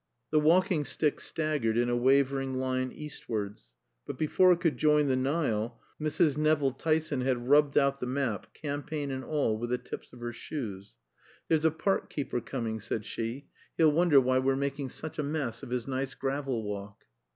The walking stick staggered in a wavering line eastwards. But before it could join the Nile, Mrs. Nevill Tyson had rubbed out the map, campaign and all, with the tips of her shoes. "There's a park keeper coming," said she, "he'll wonder why we're making such a mess of his nice gravel walk."